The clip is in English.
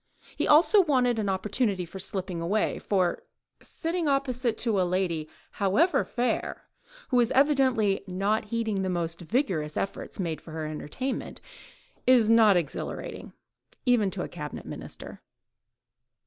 He wanted an opportunity for slipping away: for sitting opposite to a lady, however fair, who is evidently not heeding the most vigorous efforts made for her entertainment, is not exhilarating, even to a Cabinet Minister.